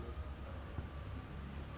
và cũng như lên đỉnh dốc